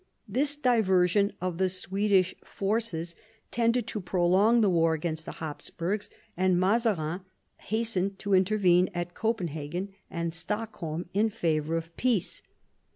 This diversion of the Swedish forces tended to prolong the war against the Hapsburgs, and Mazarin hastened to intervene at Copenhagen and Stockholm in favour of peace.